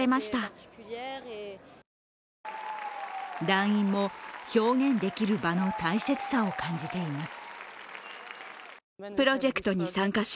団員も表現できる場の大切さを感じています。